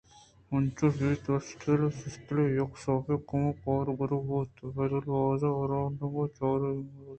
انچُش بیت اِستِلّ اِستلّے ءَ یک سُہبے کمو کار گِرک بُوتءُ بدل ءَ باز وارینگ ءُ چارینگ بُوت